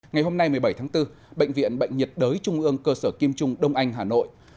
ngày hôm nay một mươi bảy tháng bốn bệnh viện bệnh nhiệt đới trung ương cơ sở kim trung đông anh hà nội